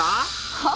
はあ？